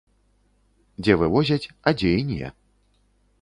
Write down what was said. Дзе вывозяць, а дзе і не.